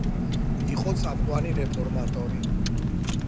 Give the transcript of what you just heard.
იყო წამყვანი რეფორმატორი.